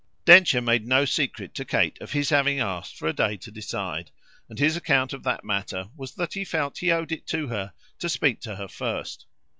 Densher made no secret to Kate of his having asked for a day to decide; and his account of that matter was that he felt he owed it to her to speak to her first.